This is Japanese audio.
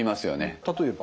例えば？